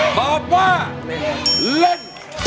ตอบว่าเล่น